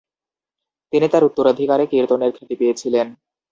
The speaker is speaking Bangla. তিনি তাঁর উত্তরাধিকারে কীর্তনের খ্যাতি পেয়েছিলেন।